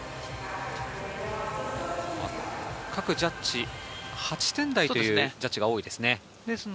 各ジャッジ８点台というジャッジが多いですね。